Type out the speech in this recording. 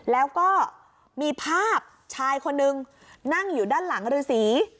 แล้วก็มีภาพชายคนนึงนั่งอยู่ด้านหลังฤษี